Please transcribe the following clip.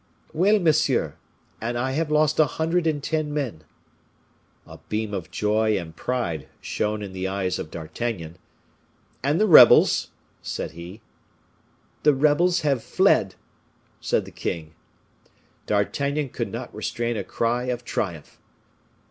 "Well, monsieur and I have lost a hundred and ten men." A beam of joy and pride shone in the eyes of D'Artagnan. "And the rebels?" said he. "The rebels have fled," said the king. D'Artagnan could not restrain a cry of triumph.